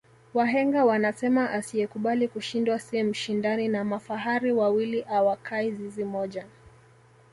wahenga wanasema asiyekubali kushindwa si mshindani na mafahari wawili awakai zizi moja